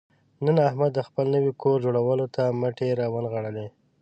نن احمد د خپل نوي کور جوړولو ته مټې را ونغاړلې.